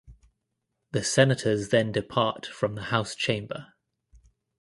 The senators then depart from the House chamber.